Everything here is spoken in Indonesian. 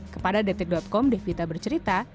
kepada detik com devita bercerita